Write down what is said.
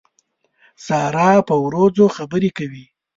سارا په وروځو خبرې کوي.